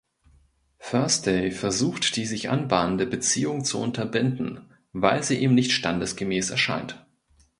Thursday versucht die sich anbahnende Beziehung zu unterbinden, weil sie ihm nicht standesgemäß erscheint.